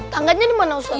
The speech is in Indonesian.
tangganya dimana ustadz